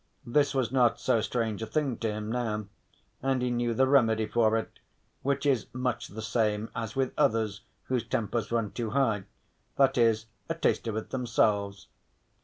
This was not so strange a thing to him now, and he knew the remedy for it, which is much the same as with others whose tempers run too high, that is a taste of it themselves.